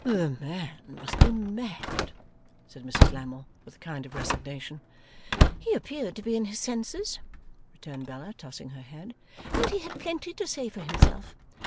'The man must be mad,' said Mrs Lammle, with a kind of resignation. 'He appeared to be in his senses,' returned Bella, tossing her head, 'and he had plenty to say for himself.